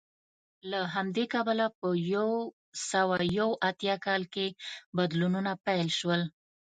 له همدې کبله په یو سوه یو اویا کال کې بدلونونه پیل شول